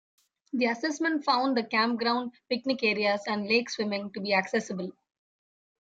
The assessment found the campground, picnic areas, and lake swimming to be accessible.